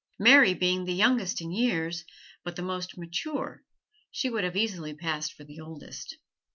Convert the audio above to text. Mary being the youngest in years, but the most mature, she would have easily passed for the oldest.